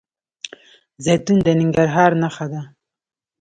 زیتون د ننګرهار نښه ده.